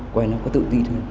coi nó có tự ti thôi